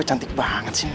gue cantik banget sih